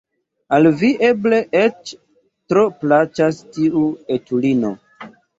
Al vi eble eĉ tro plaĉas tiu etulino!